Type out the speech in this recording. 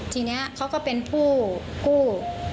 ทีนี้เขาก็เป็นผู้กู้